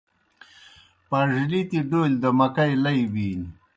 پاڙلِتیْ ڈولیْ دہ مکئی لئی بِینیْ۔